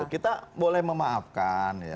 kita boleh memaafkan